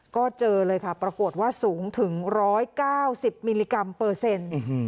ก็เจอเลยค่ะปรากฏว่าสูงถึง๑๙๐มิลลิกรัมเปอร์เซ็นต์